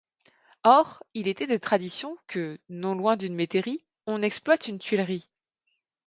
Or, il était de tradition que, non loin d'une métairie, on exploite un tuilerie.